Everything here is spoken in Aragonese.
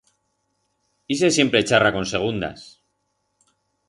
Ixe siempre charra con segundas!